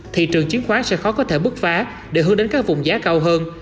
thị trường chiến khoá sẽ khó có thể bước phá để hướng đến các vùng giá cao hơn